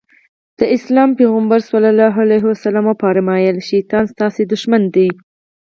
د اسلام پيغمبر ص وفرمايل شيطان ستاسې دښمن دی.